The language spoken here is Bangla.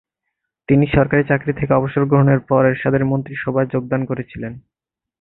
তিনি সরকারি চাকরি থেকে অবসর গ্রহণের পর এরশাদের মন্ত্রিসভায় যোগদান করেছিলেন।